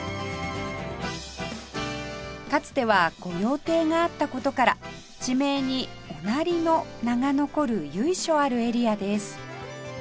かつては御用邸があった事から地名に御成の名が残る由緒あるエリアです